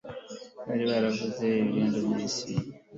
bari baravanze ibyondo by'isi